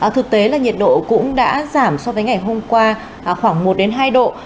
thực tế là nhiệt độ cũng đã giảm so với ngày hôm qua khoảng một hai độ